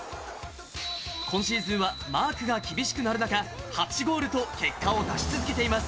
今シーズンはマークが厳しくなる中、８ゴールと結果を出し続けています。